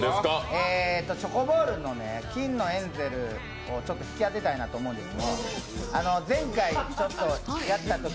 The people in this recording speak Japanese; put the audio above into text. チョコボールの金のエンゼルを引き当てたいなと思うんです。